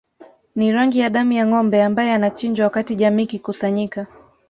Ni rangi ya damu ya ngombe ambae anachinjwa wakati jamii ikikusanyika